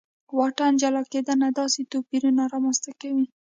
واټن جلا کېدنه داسې توپیرونه رامنځته کوي.